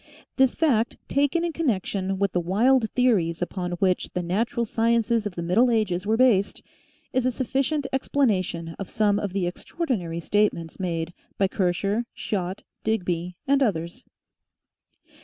This fact, taken in con nection with the wild theories upon which the natural sciences of the middle ages were based, is a sufficient ex planation of some of the extraordinary statements made by Kircher, Schott, Digby, and ethers.